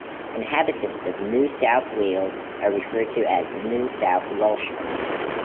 Inhabitants of New South Wales are referred to as "New South Welshmen".